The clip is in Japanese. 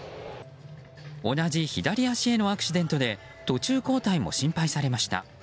同じ左足へのアクシデントで途中交代も心配されました。